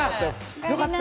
良かった。